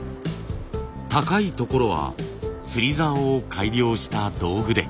高い所は釣りざおを改良した道具で。